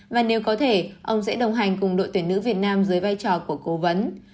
và nếu có thể ông sẽ đồng hành cùng đội tuyển nữ việt nam dưới vai trò của cố vấn